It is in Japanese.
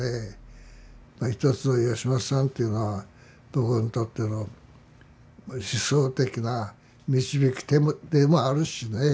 まあ一つの吉本さんというのは僕にとっての思想的な導き手でもあるしね。